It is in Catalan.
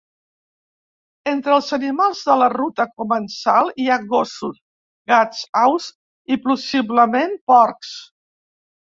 Entre els animals de la ruta comensal hi ha gossos, gats, aus i possiblement porcs.